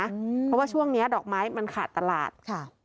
เพราะว่าช่วงนี้ดอกไม้มันขาดตลาดค่ะ